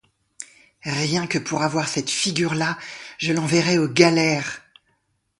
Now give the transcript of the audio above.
Rien que pour avoir cette figure-là, je l'enverrais aux galères.